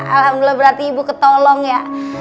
alhamdulillah berarti ibu ketolong ya